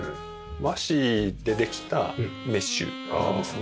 和紙でできたメッシュなんですが。